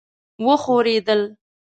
وښورېدل.